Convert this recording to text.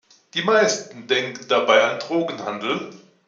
Die meisten denken dabei an Drogenhandel.